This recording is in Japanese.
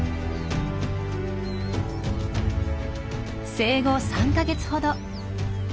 生後３か月ほど。